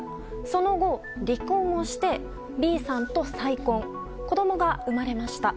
その後、離婚をしてＢさんと再婚子供が生まれました。